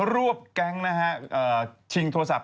รวบแก๊งชิงโทรศัพท์